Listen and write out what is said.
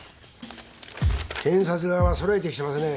検察側は揃えてきてますね。